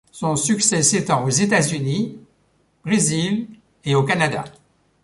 Son succès s'étend aux États-Unis, Brésil et au Canada.